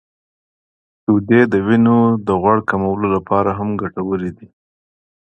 • شیدې د وینې د غوړ کمولو لپاره هم ګټورې دي.